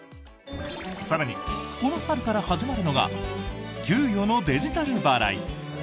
更に、この春から始まるのが給与のデジタル払い。